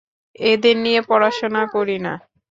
এদের নিয়ে পড়াশোনা করি না।